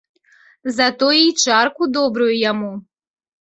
За тое і чарку добрую яму.